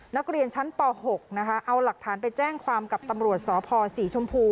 นักเรียนชั้นป๖นะคะเอาหลักฐานไปแจ้งความกับตำรวจสพศรีชมพู